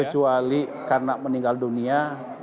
kecuali karena meninggal dunia